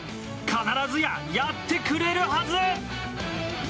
必ずや、やってくれるはず！